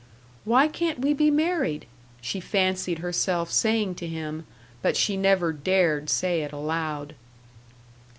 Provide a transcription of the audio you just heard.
"Why can't we be married?" she fancied herself saying to him, but she never dared say it aloud.